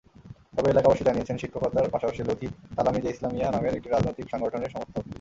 তবে এলাকাবাসী জানিয়েছেন, শিক্ষকতার পাশাপাশি লতিফ তালামীযে ইসলামিয়া নামের একটি রাজনৈতিক সংগঠনের সমর্থক।